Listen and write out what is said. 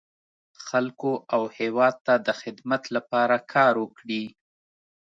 خلکو او هېواد ته د خدمت لپاره کار وکړي.